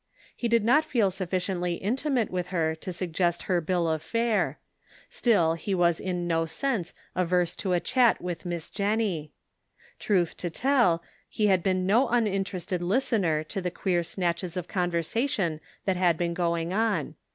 He did not feel sufficiently intimate with her to suggest her bill of fare ; still he was in no sense averse to a chat with Miss 40 The Pocket Measure. Jennie. Truth to tell, he had been no unin terested listener to the queer snatches of con versation that had been going on.